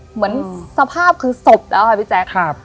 เหมือนสภาพคือศพนะอะพี่แจ๊กครับ